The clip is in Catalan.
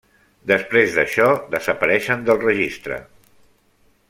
Després d'això desapareixen del registre.